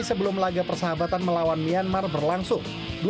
pembelaga persahabatan melawan myanmar berlangsung